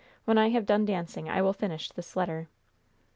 When I have done dancing I will finish this letter."